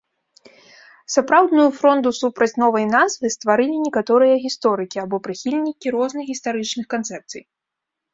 Сапраўдную фронду супраць новай назвы стварылі некаторыя гісторыкі або прыхільнікі розных гістарычных канцэпцый.